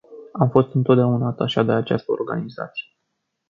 Am fost întotdeauna atașat de această organizație.